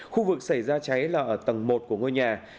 khu vực xảy ra cháy là ở tầng một của ngôi nhà